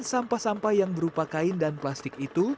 sampah sampah yang berupa kain dan plastik itu